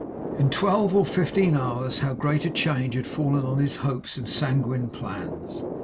In twelve or fifteen hours, how great a change had fallen on his hopes and sanguine plans!